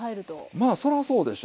まあそらそうでしょう。